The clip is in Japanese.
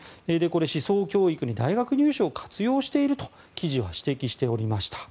思想教育に大学入試を活用していると記事は指摘しておりました。